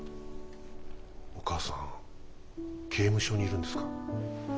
お母さん刑務所にいるんですか。